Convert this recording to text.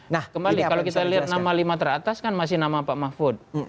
nah kembali kalau kita lihat nama lima teratas kan masih nama pak mahfud